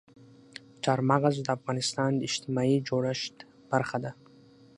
چار مغز د افغانستان د اجتماعي جوړښت برخه ده.